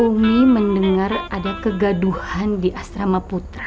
kami mendengar ada kegaduhan di asrama putra